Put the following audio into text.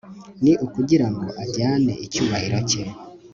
Ni ukugira ngo ajyane icyubahiro cye